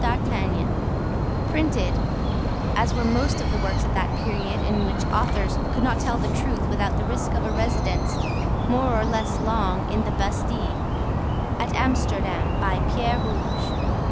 d'Artagnan, printed—as were most of the works of that period, in which authors could not tell the truth without the risk of a residence, more or less long, in the Bastille—at Amsterdam, by Pierre Rouge.